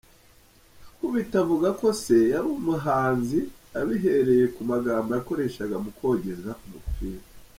Nkubito avuga ko se yari umuhanzi abihereye ku magambo yakoreshaga mu kogeza umupira.